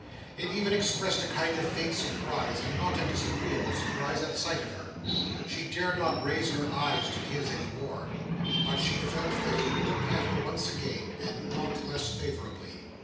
It even expressed a kind of faint surprise, and not a disagreeable surprise, at sight of her. She dared not raise her eyes to his any more; but she felt that he looked at her once again, and not less favourably.